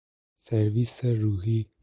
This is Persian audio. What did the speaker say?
سرویس روحی